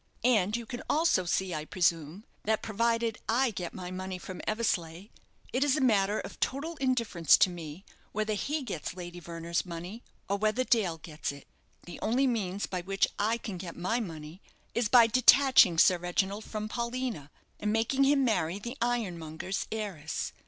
And you can also see, I presume, that, provided I get my money from Eversleigh, it is a manner of total indifference to me whether he gets Lady Verner's money, or whether Dale gets it. The only means by which I can get my money is by detaching Sir Reginald from Paulina, and making him marry the ironmonger's heiress.